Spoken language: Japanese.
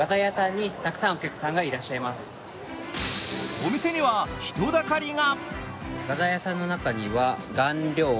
お店は人だかりが！